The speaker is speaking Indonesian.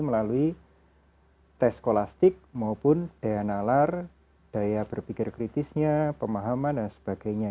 melalui tes kolastik maupun daya nalar daya berpikir kritisnya pemahaman dan sebagainya